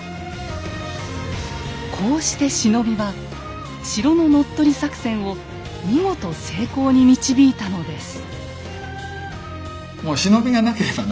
こうして忍びは城の乗っ取り作戦を見事成功に導いたのです。